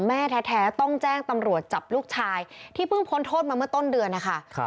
แม่แท้ต้องแจ้งตำรวจจับลูกชายที่เพิ่งพ้นโทษมาเมื่อต้นเดือนนะคะ